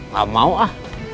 gak mau ah